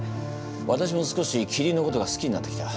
私も少しキリンのことが好きになってきた。